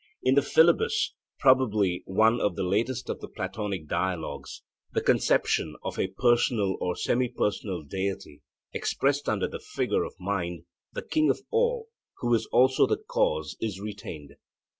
In the Philebus, probably one of the latest of the Platonic Dialogues, the conception of a personal or semi personal deity expressed under the figure of mind, the king of all, who is also the cause, is retained.